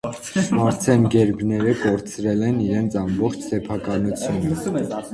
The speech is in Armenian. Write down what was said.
Շվարցենբերգները կորցրել են իրենց ամբողջ սեփականությունը։